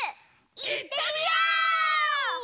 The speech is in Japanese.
いってみよう！